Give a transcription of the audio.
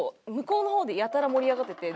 こうの方でやたら盛り上がってて。